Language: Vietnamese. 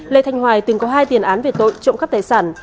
lê thanh hoài từng có hai tiền án về tội trộm cắp tài sản